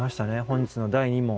本日の第２問。